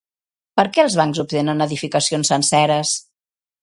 Per què els bancs obtenen edificacions senceres?